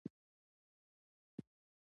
هر وګړی کولی شي په لږه پانګه کار پیل کړي.